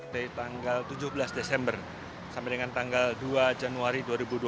dari tanggal tujuh belas desember sampai dengan tanggal dua januari dua ribu dua puluh